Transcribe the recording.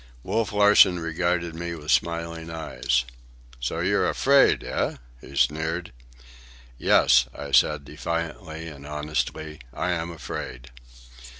Wolf Larsen regarded me with smiling eyes. "So you're afraid, eh?" he sneered. "Yes," I said defiantly and honestly, "I am afraid."